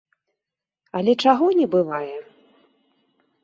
Але чаго не бывае!